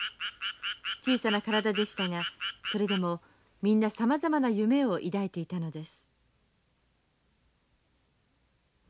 小さな体でしたがそれでもみんなさまざまな夢を抱いていたのです。